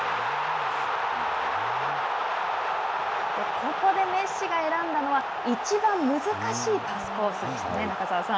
ここでメッシが選んだのはいちばん難しいパスコースでしたね中澤さん。